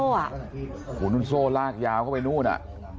โอ้โหนู่นโซ่ลากยาวเข้าไปนู่นอ่ะ